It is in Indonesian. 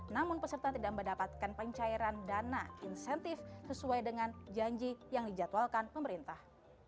namun peserta tidak mendapatkan pencairan dana insentif sesuai dengan janji yang dijadwalkan pemerintah